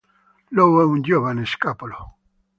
Lou è un giovane scapolo.